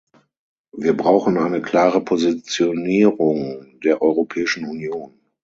Wir brauchen eine klare Positionierung der Europäischen Union.